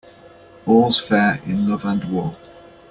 All's fair in love and war.